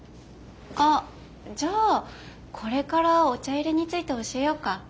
あっじゃあこれからお茶いれについて教えようか？